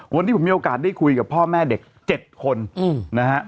วันนี้ผมมีโอกาสได้คุยกับพ่อแม่เด็ก๗คนนะฮะ